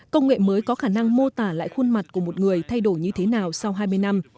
công nghệ mới có khả năng mô tả lại khuôn mặt của một người thay đổi như thế nào sau hai mươi năm